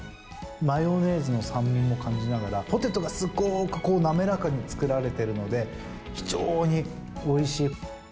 マヨネーズの酸味も感じながら、ポテトがすごく滑らかに作られてるので、非常においしい。